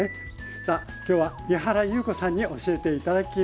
さあ今日は井原裕子さんに教えて頂きます。